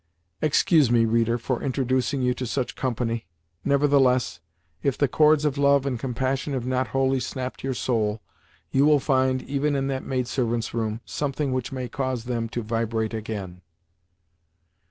Excuse me, reader, for introducing you to such company. Nevertheless, if the cords of love and compassion have not wholly snapped in your soul, you will find, even in that maidservants' room, something which may cause them to vibrate again.